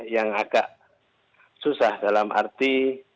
yang agak susah dalam arti